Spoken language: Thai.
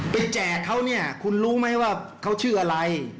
แจกเขาเนี่ยคุณรู้ไหมว่าเขาชื่ออะไร